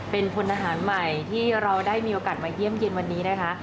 เป็นพลทหารใหม่ที่เราได้มีโอกาสมาเยี่ยมเย็นวันนี้นะคะ